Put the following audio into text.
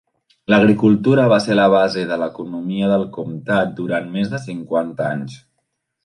L'agricultura va ser la base de l'economia del comtat durant més de cinquanta anys.